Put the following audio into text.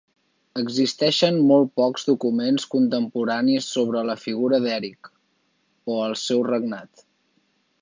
Existeixen molt pocs documents contemporanis sobre la figura d'Eric o el seu regnat.